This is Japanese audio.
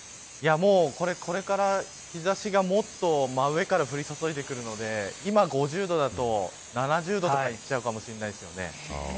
これから日差しが、もっと真上から降り注いでくるので今、５０度だと７０度とかいっちゃうかもしれません。